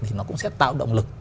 thì nó cũng sẽ tạo động lực